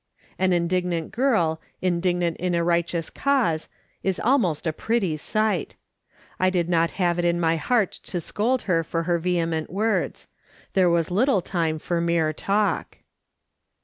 An indignant girl, indignant in a righteous cause, is almost a pretty sight. I did not have it in my l62 MRS. SOLOMON SMITH LOOKING ON. heart to scold her for her vehement words. There was little time for mere talk.